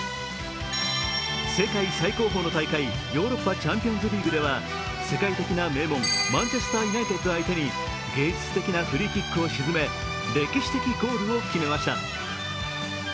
世界最高峰の大会、ヨーロッパチャンピオンズリーグでは世界的な名門、マンチェスター・ユナイテッドを相手に芸術的なフリーキックを沈め歴史的ゴールを決めました。